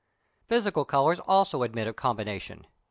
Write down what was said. Physical colours also admit of combination.